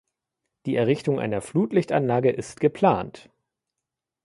Die Errichtung einer Flutlichtanlage ist geplant.